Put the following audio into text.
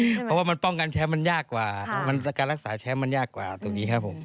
เพราะว่ามันป้องกันแชมป์มันยากกว่าการรักษาแชมป์มันยากกว่าตรงนี้ครับผม